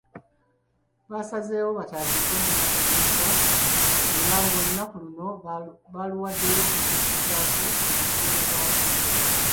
Basazeewo batandike olunaku lw'enkya era ng'olunaku luno baluwaddewo okujjukirirako eyali ddereeva wa Kyagulanyi.